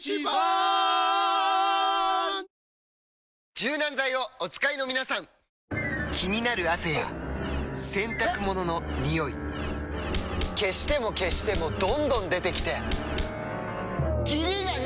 柔軟剤をお使いの皆さん気になる汗や洗濯物のニオイ消しても消してもどんどん出てきてキリがない！